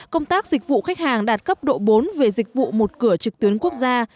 công tác dịch vụ khách hàng đạt cấp độ bốn về dịch vụ một cửa trực tuyến quốc gia